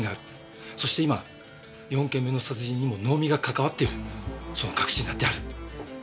そして今４件目の殺人にも能見が関わっているその確信だってある。